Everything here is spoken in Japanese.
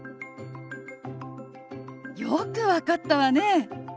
よく分かったわね。